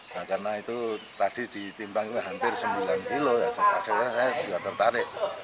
nah karena itu tadi ditimbangkan hampir sembilan kg saya juga tertarik